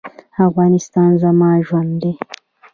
افغانستان زما ژوند دی